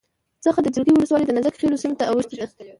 څخه د جلگې ولسوالی دنازک خیلو سیمې ته اوښتې ده